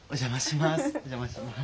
お邪魔します。